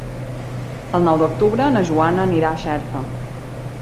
El nou d'octubre na Joana anirà a Xerta.